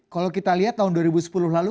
kalau kita lihat tahun dua ribu sepuluh lalu